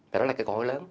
thì đó là cái câu hỏi lớn